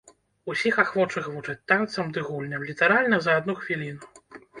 Усіх ахвочых вучаць танцам ды гульням літаральна за адну хвіліну.